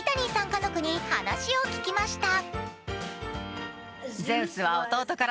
家族に話を聞きました。